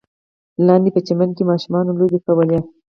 لاندې په چمن کې ماشومانو لوبې کولې.